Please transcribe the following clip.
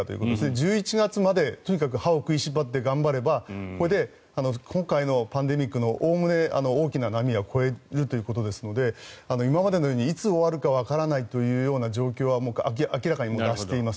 １１月まで、とにかく歯を食いしばって頑張ればこれで今回のパンデミックのおおむね、大きな波は越えるということですので今までのようにいつ終わるかわからないという状況は明らかに終わっています。